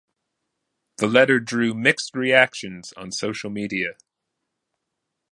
The letter drew mixed reactions on social media.